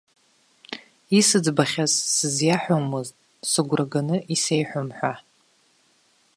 Исыӡбахьаз сызиаҳәомызт сыгәра ганы исеиҳәом ҳәа.